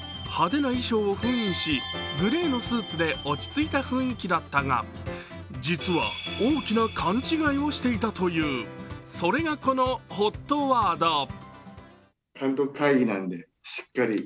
派手な衣装を封印しグレーのスーツで落ち着いた雰囲気だったが実は大きな勘違いをしていたという、それがこのＨＯＴワード。